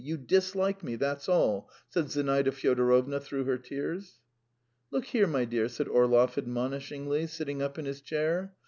You dislike me, that's all," said Zinaida Fyodorovna through her tears. "Look here, my dear," said Orlov admonishingly, sitting up in his chair.